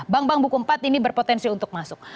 bank bank buku empat ini berpotensi untuk masuk